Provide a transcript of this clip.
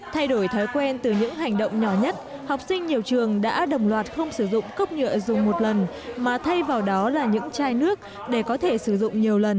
thay đổi thói quen từ những hành động nhỏ nhất học sinh nhiều trường đã đồng loạt không sử dụng cốc nhựa dùng một lần mà thay vào đó là những chai nước để có thể sử dụng nhiều lần